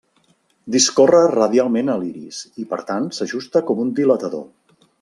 Discorre radialment a l'iris i, per tant, s'ajusta com un dilatador.